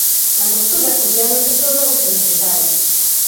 Na costura cosiamos de todo o que nos deixaban.